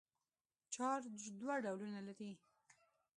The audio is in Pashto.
چارج دوه ډولونه لري.